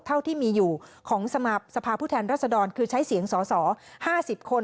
เท่าที่มีอยู่ของสภาพผู้แทนรัศดรคือใช้เสียงสอสอ๕๐คน